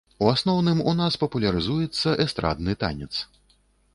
У асноўным, у нас папулярызуецца эстрадны танец.